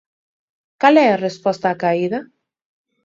¿Cal é a resposta acaída?